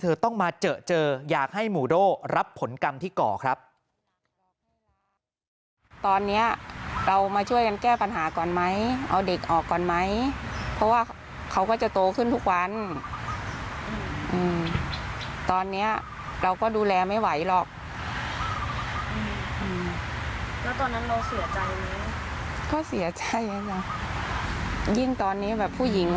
ที่เธอต้องมาเจออยากให้หมู่โด้รับผลกรรมที่ก่อครับ